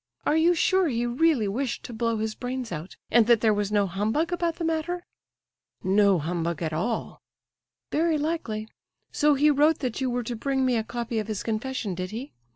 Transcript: Are you sure he really wished to blow his brains out, and that there was no humbug about the matter?" "No humbug at all." "Very likely. So he wrote that you were to bring me a copy of his confession, did he?